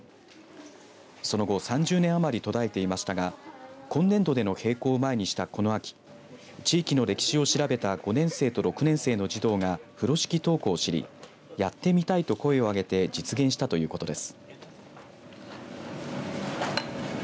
その後３０年余り途絶えていましたが今年度の閉校を前にした、この秋地域の歴史を調べた５年生と６年生の児童が風呂敷登校を知りやってみたいと声をあげて実現したということです。